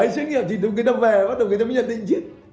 xét nghiệm thì người ta về bắt đầu người ta mới nhận định chết